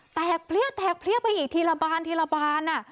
แตกเปรี้ยวแตกเปรี้ยวไปอีกทีละบานทีละบาน